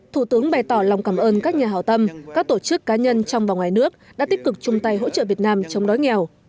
thủ tướng bày tỏ lòng cảm ơn các nhà hào tâm các tổ chức cá nhân trong và ngoài nước đã tích cực chung tay hỗ trợ việt nam chống đói nghèo